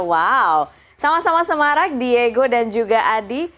wow sama sama semarak diego dan juga adi